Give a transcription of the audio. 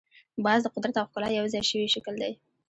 باز د قدرت او ښکلا یو ځای شوی شکل دی